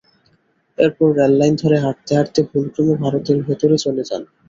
এরপর রেললাইন ধরে হাঁটতে হাঁটতে ভুলক্রমে ভারতের ভেতরে চলে যান।